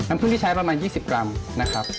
พึ่งที่ใช้ประมาณ๒๐กรัมนะครับ